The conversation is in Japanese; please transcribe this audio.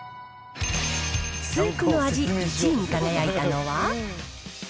スープの味１位に輝いたのは。